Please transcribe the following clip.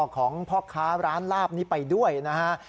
ของพ่อค้าร้านลาบนี้ไปด้วยนะฮะ